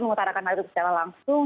mengutarakan hal itu secara langsung